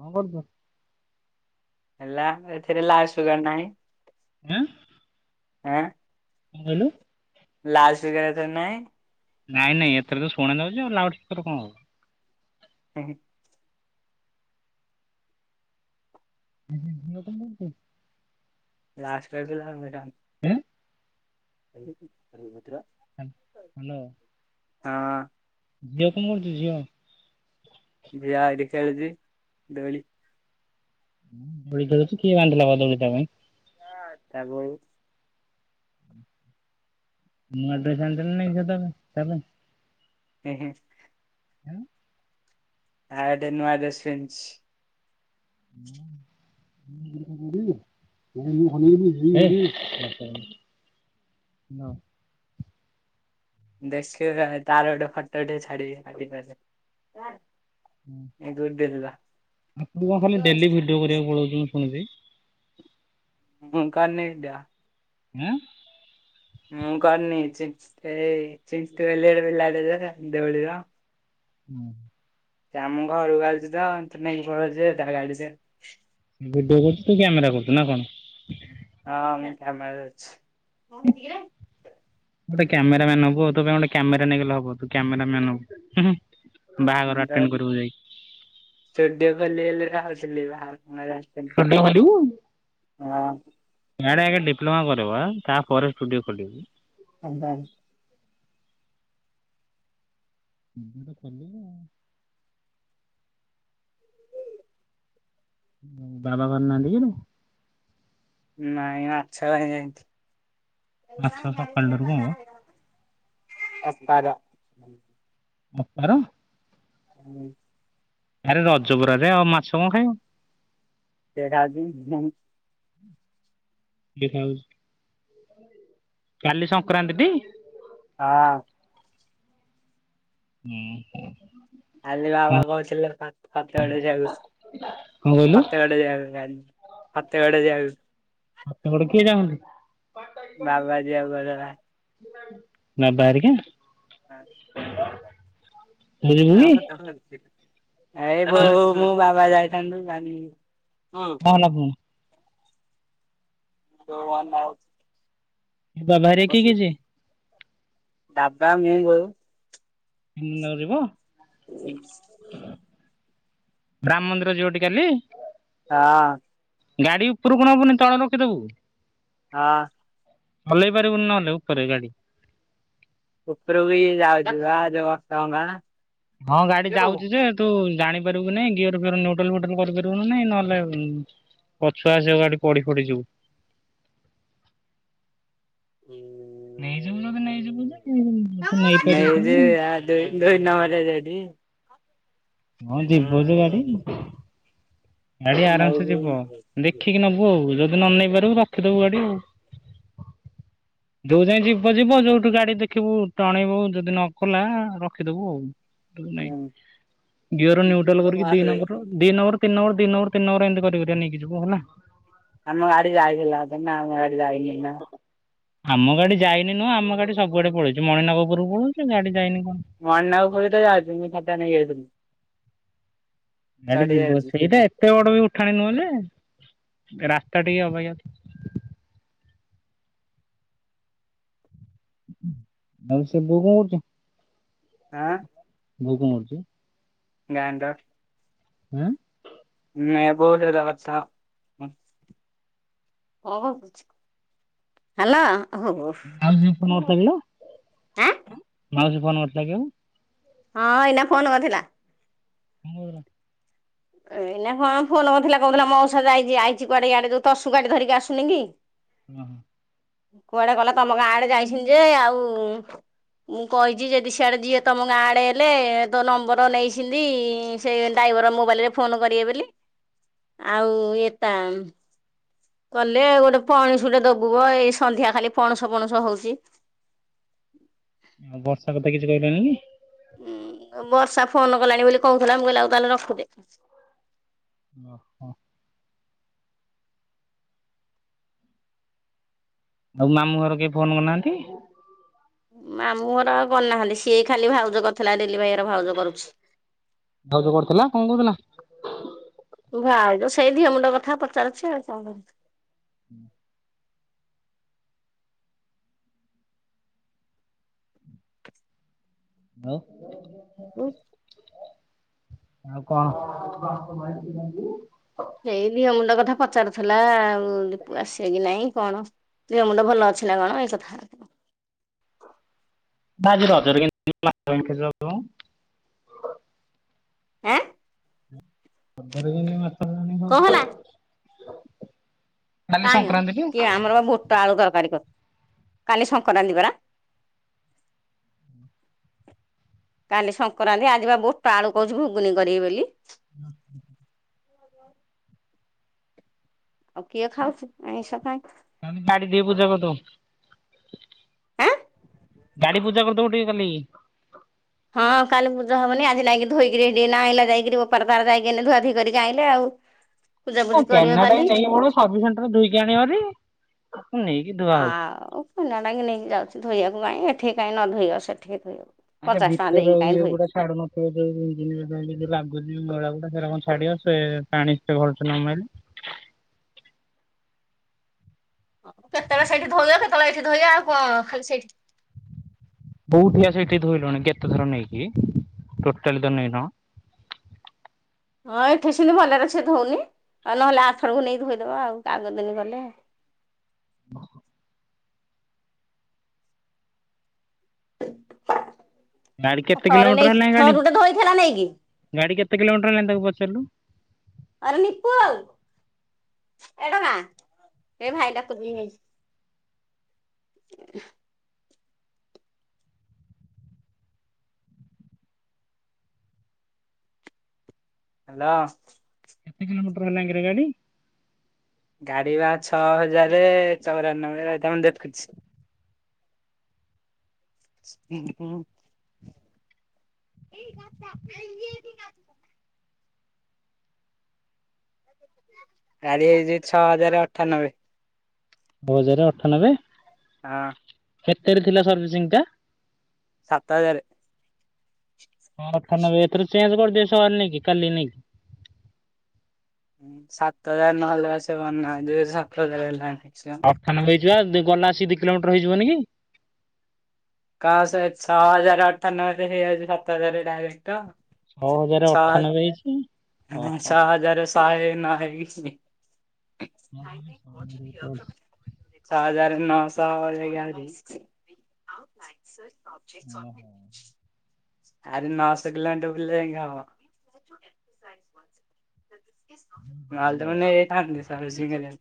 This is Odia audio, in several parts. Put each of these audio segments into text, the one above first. କଣ କରୁଛ? ହେଲା ଏଥିରେ ଲାଲ ସୁୁଗାର ନାହିଁ। ଏଁ। ଆଁ। କଣ କହିଲୁ। ଲାଉଡ଼ ସ୍ପିକର ଏଥିରେ ନାହିଁ। ନାଇଁ ନାଇଁ ଏଥରେ ତ ଶୁଣା ଯାଉଛି ଆଉ ଲାଉଡସ୍ପିକର କଣ ହବ। ହୁଁ। [inaudible] ଲାଷ୍ଟେରେ ପିଲା ମୁଁ ଏକାନ୍ ଏଁ। [unintelligible] ହା ହାଲୋ ହଁ। ଯେହେତୁ ମୁଁ [unintelligible] ଝିଅ। ଝିଅ ଏଠି ଖେଳୁଛି ଦୋଳି। ଦୋଳି ଖେଳୁଚି କିଏ ବାନ୍ଧିଲା ପା ଦୋଳି ତାପାଇଁ ତା ବୋଉ। ମୁଁ ଆଣି ଦେଇଥାନ୍ତି ନା ନାଇଁ [unintelligible] ତା ପାଇଁ। ହେଁ-ହେଁ ହଁ ଆଉ ଗୋଟେ ନୂଆ ଡ୍ରେସ ପିନ୍ଛି [unintelligible] [inaudible] ନାଁଉ ଦେସଖିବ ତାର ଗୋଟେ ଫଟୋଟେ ଛାଡିବି ହାପିବାଡେ [unintelligible] ଏଇ ଦୁଇଟି ଦେଇଥିଲା ଆପଣ କଣ ଖାଲି ଡେଲି ଭିଡିଓ କରିବାକୁ ପଳଉଚନ୍ତି ମୁଁ ଶୁଣିଚି? [unintelligible] ଆଁ? ମୁଁ କରିନି ଚି ହେଇ ଚିଣ୍ଟୁ ବୋଲି ଗୋଟେ ପିଲାଟେ ଯେ [unintelligible] ହୁଁ। ସେ ଆମ ଘରକୁ ଆଉଚିତ ନେଇକି ପଳଉଚି ତା ଗାଡିରେ। ଭିଡିଓ କରୁଚୁ ତୁ କ୍ୟାମେରା କରୁଚୁ ନା କଣ? ହଁ ମୁଁ କ୍ୟାମେରା ଧରୁଚି। ଗୋଟେ କ୍ୟାମେରାମାନ ହବୁ ତୋ ପାଇଁ ଗୋଟେ କ୍ୟାମେରା ନେଇଗଲେ ହବ ତୁ କ୍ୟାମେରା ମ୍ୟାନ ହବୁ ହୁଁ ହୁଁ। ବାହାଘର ଆଟେଣ୍ଡ କରିବୁ ଯାଇକି ଭିଡିଓ ଖୋଲିଲେ [unintelligible] ସ୍ଟୁଡିଓ ଖୋଲିବୁ? ଆଡେ ଆଗେ ଡିପ୍ଲୋମା କରିବୁ ଆଁ ତାପରେ ଷ୍ଟୁଡିଓ ଖୋଲିବୁ। ହଉ ତାହଲେ। ତୁତ ଖୋଲିବୁ ଆଉ ବାବା ଘରେ ନାହାନ୍ତି କିରେ? ନାଇଁ ମାଛପାଇଁ ଯାଇଚି। ମାଛ ସକାଳ ଠାରୁ କଣ ମ ଅପାର ଅପାର? ହୁଁ। ଆରେ ରଜ ପରରେ ଆଉ ମାଛ କଣ ଖାଇବ। ସେ ଖାଆନ୍ତି ମମି କିଏ ଖାଉଚି କାଲି ସଂକ୍ରାନ୍ତିଟି? ହଁ। ଉଁ ହୋ। କାଲି ବାବା କହୁଥିଲେପା ଫତେଇଗଡ଼ ଯିବାକୁ କଣ କହିଲୁ ଫତେଇଗଡ଼ ଯିବାକୁ କାଲି ଫତେଇଗଡ଼ ଯିବାକୁ। ଫତେଇଗଡ଼ କିଏ ଯାଉସନ୍ତି? ବାବା ଯିବାକୁ କହୁଥିଲା। ବାବା ହେରିକା? ହଁ ତୁ ଯିବୁ ହଁ କି? ଫତେଇଗଡ଼ [unintelligible] ଏ ବୋଉ ମୁଁ ବାବା ଯାଇଥାନ୍ତୁ [unintelligible] କଣ ହେଲା ପୁଣି? [unintelligible] ଏ ବାବା ହେରିକା କିଏ କିଏ ଯିବେ? ବାବା ମୁଁ ବୋଉ। ତିନି ଜଣ ଯାକ ଯିବ? ହୁଁ। ରାମ ମନ୍ଦିର ଯିବ ଟି କାଲି? ହଁ। ଗାଡି ଉପୁରୁକୁ ନବୁନି ତଳେ ରଖିଦବୁ। ହଁ। ହଲେଇ ପାରିବୁନି ନହେଲେ ଉପରେ ଗାଡି। ଉପରୁ ବି ଯାଉଚି [unintelligible] ହଁ ଗାଡି ଯାଉଛି ଯେ ତୁ ଜାଣି ପାରିବୁ କି ନାଇଁ ଗିଅର ଫିଅର ନିଉଟାଲ୍ ଫିଉଟାଲ୍ କରିପାରିବୁ ନାଇଁ ନହେଲେ ପଛୁଆ ଆସିବ ଗାଡି ପଡି ଫଡି ଯିବୁ। ହୁଁ। ନେଇଯିବୁ ଯଦି ନେଇଯିବୁ ଯେ ତୁ ନେଇପାରିବୁ ନେଇକି କି ନା। [unintelligible] ହଁ ଯିବୁ ଯେ ଗାଡି। ଗାଡି ଆରାମ୍ ସେ ଯିବ। ଦେଖିକି ନବୁ ଆଉ ଯଦି ନ ନେଇ ପାରିବୁ ରଖିଦବୁ ଗାଡି ଆଉ। [inaudible] ଯୋଉ ଯାଇ ଯିବ ଯିବ ଯୋଉଠୁ ଗାଡି ଦେଖିବୁ ଟଣେଇବୁ ଯଦି ନ କଲା ରଖିଦବୁ ଆଉ। ନାଇଁ ଗୀଅର ନ୍ୟୁଟ୍ରାଲ କରିକି ଦି ନମ୍ବର ଆମ ଦି ନମ୍ବର, ତିନି ନମ୍ବର ତିନି ନମ୍ବର, ତିନି ନମ୍ବର ଏମିତି କରି କରିକା ନେଇକି ଯିବୁ ହେଲା। ଆମ ଗାଡ଼ି ଯାଇଥିଲା ନା ଆମ ଗାଡ଼ି ଯାଇଥିଲା। ଆମ ଗାଡି ଯାଇନି ନୁହଁ। ଆମ ଗାଡି ସବୁଆଡେ ପଳେଇଛି ମଣିନାଗପୁରକୁ ପଳଉଛି ଗାଡି ଯାଇନି କଣ? ମଣିନାଗପୁରେତ ଯାଉଛି। ମୁଁ ଟା ନେଇ ଯାଇଥିଲି। ଗାଡ଼ି ଚଢି ଯିବ ଯାଉଛି ସେଇଟା ଏତେ ବଡ ବି ଉଠାଣି ନୁହଁ ଯେ, ରାସ୍ତା ଟିକେ ଅବାଗିଆ। [unintelligible] ହଁ। ବୋଉ କଣ କରୁଛି? ଗାୟନ୍ର। ହୁଁ ନେ ବୋଉ ସହିତ କଥା ହ। ହେଲୋ ହଉ ହଉ। ମାଉସୀ ଫୋନ କରିଥିଲା କି ହଁ ଲୋ? ମାଉସୀ ଫୋନ କରିଥିଲା କି ଆଉ? ହଁ। ଏଇନା ଫୋନ୍ କରିଥିଲା। ହୁଁ। ଏଇନା କଣ ଫୋନ କରିଥିଲା କହୁଥିଲା ମଉସା ଯାଇ ଆଇଛି କୁଆଡେ ଇଆଡ଼େ ତସୁ ଗାଡି ଧରିକି ଆସୁନି କି? ହଁ। କୁଆଡେ ଗଲା ତମ ଗାଁ ଆଡେ ଯାଇଛନ୍ତି ଯେ ଆଉଁ ମୁଁ କହିଛି ଯେଦି ସିଆଡ଼େ ଯିଏ ତମ ଗାଁ ଆଡ଼େ ହେଲେ ତୋ ନମ୍ବର ନେଇଛେନ୍ତି ସେ ଡାଇବର ମୋବାଇଲିରେ ଫୋନ କରିବେ ବୋଲି ଆଉ ଏତାଙ୍ଗ ଗଲେ ଗୋଟେ ପଣସ ଟେ ଦବୁ। ଏଇ ସନ୍ଧ୍ୟା ଖାଲି ପଣସ ପଣସ ହଉଛି। ଆଉ ବର୍ଷା କଥା କିଛି କହିଲନି କି? ଉୁଁ। ବର୍ଷା ଫୋନ କଲାଣି ବୋଲି କହୁଥିଲା ମୁଁ କହିଲି ଆଉ ତାହେଲେ ରଖୁଚି। ଓ ହୋ। ଆଉ ମାମୁଁ ଘର କେହି ଫୋନ କରିନାହାନ୍ତି? ମାମୁଁ ଘର ଆଉ କରିନାହାନ୍ତି। ସିଏ ଖାଲି ଭାଉଜ କରିଥିଲା ଡେଲି ଭାଇ ଘର ଭାଉଜ କରୁଛି। ଭାଉଜ କରିଥିଲା କଣ କହୁଥିଲା? ଭାଉଜ ସେଇ ଦିଅ ମୁଣ୍ଡ କଥା ପଚାରୁଛି ଆଉ କଁ? ହୁଁ [unintelligible] [unintelligible] ଆଉ କଣ? ସେଇ ଦିଅ ମୁଣ୍ଡ କଥା ପଚାରୁଥିଲା ଆଉ ଦୀପୁ ଆସିବେ କି ନାଇଁ କଣ? ଦେହ ମୁଣ୍ଡ ଭଲ ଅଛି ନା କଣ ଏଇ କଥା? ଦାଜରୁ ହଜାର [unintelligible] ଆଁ। ପଦର ବି କଣ ହେଲା? କାଲି କାହିଁମ ସଂକ୍ରାନ୍ତି ଟି କିଏ ଆମର ବା ବୁଟ ଆଳୁ ତରକାରୀ କର କାଲି ସଂକ୍ରାନ୍ତି ପରା। କାଲି ସଂକ୍ରାନ୍ତି ଆଜିିବା ବୁଟ ଆଳୁ କହୁଛି ଘୁଗୁନି କରିବି ବୋଲି। [inaudible] ଆଉ କିଏ ଖାଉଛି ଆଇଁଷ କାଇଁ। ଗାଡି ଟିକେ ପୂଜା କରିଦବୁ। ଆଁ ଗାଡି ପୂଜା କରିଦବୁ ଟିକେ କାଲି। ହଁ କାଲି ପୂଜା ହବନି ଆଜି ନାଇକି ଧୋଇକି ଆଇଲା ଯକିରି ବୋପାର ତାର ଯାଇକି ଧୁଆ ଧୋଇକି ଆଇଲେ ଆଉ। ହଁ ପୂଜାପୂଜି କେନ୍ କରିବ ଟା କାଲି ନେଇ ପଡିବ ସର୍ଭି ସେଣ୍ଟର ଧୋଇକି ଆଣିବ ହାରି। ଆଉ କନାଟାକି ନେଇକି ଯାଉଛି ଧୋଇବାକୁ କାଇଁ ଏଠି କାଇହିଁ ନ ଧୋଇବ ସେଠିକି ଧୋଇବ। ଆ ପଚାଶ ଟଙ୍କା ଭିତର ଦେଇକି କାଇଁ ଇଏ ଧୋଇବ। ଗୁଡା ଛାଡୁନଥିଲା। ଯୋଉ ଇଞ୍ ଯି ଲାଗୁଛି ଗଳା ଗୁଡା ସେଟ କଣ ଛାଡିବ ସେ ପାଣି ଭଲସେ ନ ମାଇଲେ। କେତେବେଳେ ସେଠି ଧୋଇବ କେତେବେଳେ ଏଇଠି ଧୋଇଆ ଆଉ କଣ ଖାଲି ସେଇଠି। କୋଠିଆ ସେଇଠି ଧୋଇଲଣି କେତେଥର ନେଇକି ଟୋଟାଲଲି ତ ନେଇନ। ହଁ ଏଠି ସେମିତି ଭଲରେ ସେଏ ଧଉନି ଆଉ ନହେଲେ ଆଥରକୁ ନେଇକି ଧୋଇଦବା ଆଉ ଆଗଦିନ ଗଲେଉ। [inaudible] ଗାଡି କେତେ ଥରେ ନେଇଚି ଥରୁଟେ ଧୋଇଥିଲା ନେଇକି। ଗାଡ଼ି କେତେକିଲୋମୀଟର ହେଲାଣି ତାକୁ ପଚାରିଲୁ। ଆରେ ନିପୁ ଏ ଟୋକା ଏ ଭାଇ ଡାକୁଛି ନେ [inaudible] ହ୍ୟାଲୋ। କେତେ କିଲୋଟର ହେଲାଙ୍କିର ଗାଡି। ଗାଡି ବା ଛଅ ହଜାର ଚଉରାନବେରେ ରହିଥା ମୁଁ ଦେଖୁଛି। [inaudible] [inaudible] ଗାଡି ହେଇଛି ଛଅ ହଜାର ଅଠାନବେ। ଛଅ ହଜାର ଅଠାନବେ। ହଁ। କେତେରେ ଥିଲା ସର୍ଭିସିଂ ଟା? ସାତ ହଜାର। ହଁ ଅଠାନବେ ଏଥର ଚେଞ୍ କରିଦେ ସାର ନେଇକି କାଲି ନେଇକି। ସାତ ହଜାର ନହେଲେ ପା ସେ ମନା କରିଛି କହିଛି ସାତ ହଜାର ହେଲେ ଆଣିକି ଆସିବ। ଅଠାନବେ ହେଇଚିବା ଗଲା ଆସିକ ଦି କିଲୋମିଟର ହେଇଯିବନି କି? କଣ ସେ ଛଅ ହଜାର ଅଠାନବେରେ ହେଇଯାଉଛି ସାତ ହଜାର ଡାଇରେକ୍ଟ। ଛଅ ହଜାର ଅଠାନବେ ହେଇଚି। ହଁ ସ ହଜାର ସହ ନ ହେଇଚି। ଛଅ ହଜାର ନଅଶହ ଏଗାର। [unintelligible] ଆହୁରି ନଅଶହ କିଲୋମିଟର ବୁଲିଲେ ଯାଇ ହବ। ନହେଲେ ତ ମୁ ନେଇ ଯାଇଥାନ୍ତି ସରଭିଶିଂ ହେଲେ।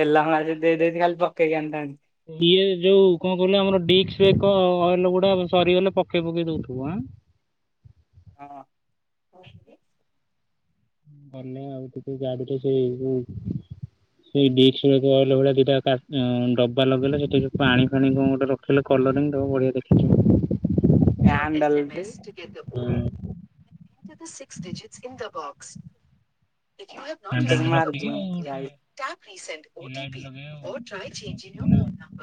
ତେଲ ଭଙ୍ଗା ଯଦି ଦେଇଚି ଖାଲି ପକେଇକି ଆଣିଥାନ୍ତି। ଇଏ ଯୋଉ କଣ କହିଲେ ଆମରଡିସ ବ୍ରେକ ଅଏଲ୍ ଗୁଡା ସରିଗଲେ ପକେଇ ପକେଇ ଦଉଥିବଁ। ହଁ। ଗଲେ ଆଉ ଟିକେ ଗାଡି ଟା ସେଇ ଯୋଉ ସେଇ ଡିସ୍ କହ ଭଳିଆ ଦିଟା ଡବା ଲଗେଇଲେ ସେଠିକ ପାଣି ଫାଣି କଣ ଗୋଟେ ର କହିଲେ କଲରିଂ ଦେବ ବଢିଆ ଦେଖାଯିବ। ହ୍ୟାଣ୍ଡଲ ବି। ହୁଁ। ହାଣ୍ଡେଲଟେ [unintelligible] ରଖିକି ଆଉ ଗୋଟେ ଏ ଲାଇଟ୍ ଲଗେଇବେ ଆଉ। ମସ୍ତିକିନା ଆଉ [unintelligible]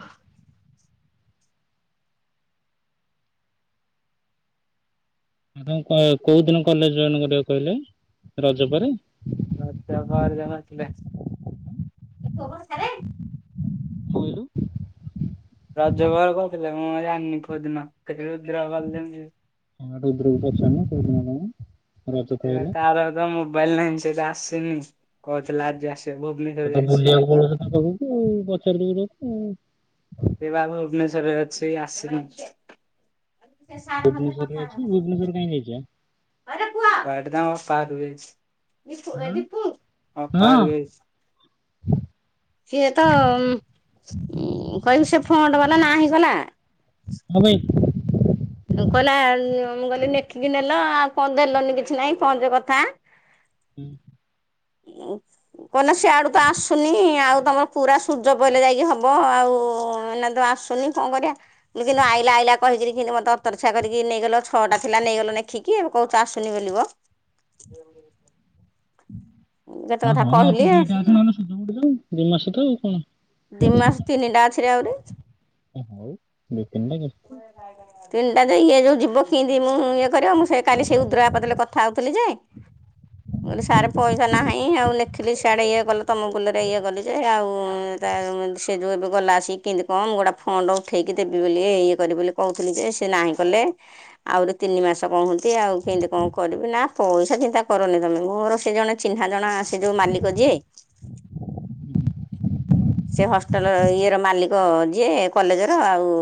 ଆ ତ କୋଉ ଦିନ କଲେଜ ଜଏନ୍ କରିବା କହିଲେ? ରଜ ପରେ। ଆଚ୍ଛା ଘରେ ବାହାର କରିଥିଲେ। କଣ କହିଲୁ? ରଜ ଘର କହୁଥିଲେ ମୁଁ ଜାଣିନି କୋଦିନ। ରୁଦ୍ର ବାବା ଜାଣିଛି। ରୁଦ୍ରକୁ ପଚାରୁନୁ। କୋଉଦିନ କଣ? ରଜ ତ ସେଇଟ ହେଲା ତାର ତ ମୋବାଇଲ ନାଇଁ। ସେଇଟା ଆସିନି। କହୁଥିଲା ଆଜି ଆସିବ। ଭୁବ ସେତେ ବୁଲିବାକୁ ପଳଉଛୁ ତା ପାଖକୁ। ପଚାର [unintelligible] ସେ ବା ଭୁବନେଶ୍ଵରରେ ଅଛି ଆସିନି। ସାର୍ ଙ୍କ ସାଙ୍ଗରେ ଭୁବନେଶ୍ୱରରେ ଅଛି ଭୁବନେଶ୍ୱର କାଇଁ ଯାଇଛି ବା। ହେଇଟି ତାଙ୍କ ଅପା ଘରକୁ ଯାଇଛି। ଅପା ହୁଁ। ଘରକୁ ହଁ ଯାଇଛି। ସିଏ ତ କହିବି ସେ ଫଣ୍ଡ ବାଲା ନାହିଁ କଲା। ହଁ ଭାଇ। କହିଲା ମୁ କହିଲି ଲେଖିକି ନେଲ ଆଉ କଣ ଦେଲନି କିଛି ନାଇଁ ପହଞ୍ଚ କଥା। ହୁଁ। କଣ ସିଆଡୁ ତ ଆସୁନି। ଆଉ ତମର ପୁରା ସୂର୍ଯ୍ୟ ପଇଲେ ଯାଇକି ହବ। ଆଉ ଏଇନା ତ ଆସୁନି କଣ କରିବା? ମୁଁ କିନ୍ତୁ ଆଇଲା ଆଇଲା କହିକିନି କିନ୍ତ ମତେ ସତରଛା କରିକି ନେଇଗଲ ଛଅଟା ଥିଲା ନେଇଗଲା ନେଖିକି ଏବେ କହୁଛୁ ଆସୁନି ମିଲିବ। [unintelligible] କେତେ ହଁ କଥା ହଁ କହିଲି ଆଉ ଦିଟା ଅଛି ନହେଲେ ସୁଝା ପଡିିଯାଉ ଦିଇ ମାସଠୁ ଆଉ କଣ? ଦି ମାସ ତିନିଟା ଅଛିରେ ଆହୁରି। ହଁ ହଉ ଦି ତିନିଟା କେତେ? ଆଜ୍ଞା। ତିନିଟା ଯେ ଇଏ ଯୋଉ ଯିବ କିିନ୍ତି ମୁଁ ଇଏ କରିବ ମୁଁ ସେ କାଲି ସେଇ ଉଦ୍ରୟପଦରେ କଥା ହଉଥିଲି ଯେ [inaudible] କହିଲି ସାରେ ପଇସା ନାହିଁ। ଆଉ ଲେଖିଲି ସିଆଡ଼େ ଇଏ କଲ ତୁମ ବୁଲରେ ଇଏ କଲି ଯେ ଆଉ ତା ସେ ଯଉ ଏବେ ଗଲା ଆସିକି କେନ୍ତି କଣ ମୁଁ ଗୋଟେ ଫଣ୍ଡ ଉଠେଇକି ଦେବି ବୋଲି ଏଇ କର ବୋଲି କହୁଥିଲି ଯେ ସେ ନାହିଁ କଲେ। ଆହୁରି ତିନି ମାସ କହନ୍ତି ଆଉ କେମିତି କଣ କରିବି। ନା ପଇସା ଚିନ୍ତା କରନି ତମେ। ମୋର ସେ ଜଣେ ଚିହ୍ନା ଜଣା ଆ ସେ ଯୋଉ ମାଲିକ ଯିଏ। [inaudible] ସେ ହଷ୍ଟେଲ ଇଏର ମାଲିକ ଯିଏ କଲେଜର ଆଉ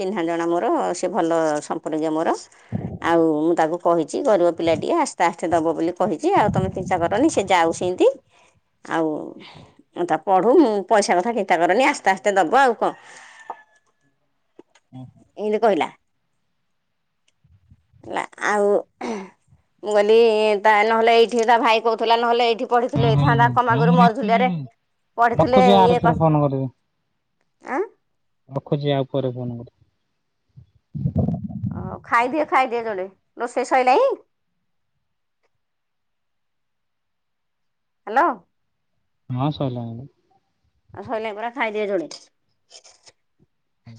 ଚିହ୍ନା ଜଣା ମୋର ସେ ଭଲ ସମ୍ପର୍କୀୟ ମୋର। ଆଉ ମୁଁ ତାକୁ କହିଛି ଗରିବ ପିଲା ଟିଏ ଆସ୍ତେ ଆସ୍ତେ ଦବ ବୋଲି କହିଛି। ଆଉ ତମେ ଚିନ୍ତା କରନି ସେ ଯାଉ ସେନ୍ତି। ଆଉ ତା ପଢୁ ମୁଁ ପଇସା କଥା ଚିନ୍ତା କରନି ଆସ୍ତେ ଆସ୍ତେ ଦବ ଆଉ କଣ? ଓହୋ। ଏମିତି କହିଲା କହିଲା ଆଉ [unintelligible] ମୁଁ କହଲି ତା ନହେଲେ ଏଇଠି ତା ଭାଇ କୋହୁଥିଲା ନହେଲେ ଏଇଠି ପଢିଥିଲେ ହଉ ହେଇଥାନ୍ତା କମାଗୁରୁ ମରଝୁଲାଆରେ [unintelligible] ରଖୁଚି ଆରଥୁରୁ ଫୋନ୍ କରିବି। ରଖୁଚି ଆଉ ପରେ ଫୋନ୍ କରି ଆଉ ଖାଇଦିଏ ଖାଇଦିଏ ଜୋଡେ। ରୋଷେଇ ସ‌ଇନାଇଁ? ହାଲୋ। ହଁ ସଇଲାଣି ପା। ଆଉ ସଇଲାଣି ପରା ଖାଇଦିଅ ଜୋଡେ। ହଉଁ